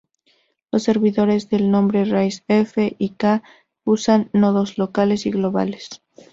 Los servidores de nombres raíz F y K usan nodos locales y globales.